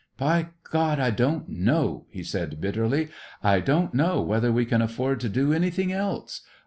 "By God, I don't know!" he said bitterly. "I don't know whether we can afford to do anything else.